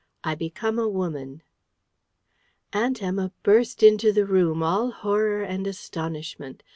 I BECOME A WOMAN Aunt Emma burst into the room, all horror and astonishment.